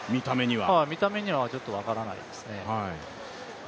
見た目にはちょっと分からないですね。